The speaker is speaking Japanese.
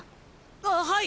あっはい！